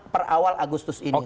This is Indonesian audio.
per awal agustus ini